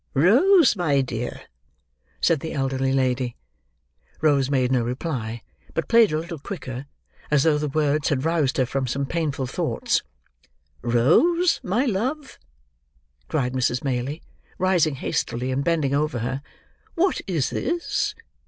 "Rose, my dear!" said the elder lady. Rose made no reply, but played a little quicker, as though the words had roused her from some painful thoughts. "Rose, my love!" cried Mrs. Maylie, rising hastily, and bending over her. "What is this?